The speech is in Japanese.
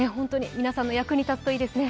皆さんの役に立つといいですね。